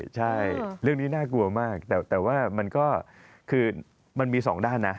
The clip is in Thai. ใช่เรื่องนี้น่ากลัวมากแต่ว่ามันก็คือมันมีสองด้านนะ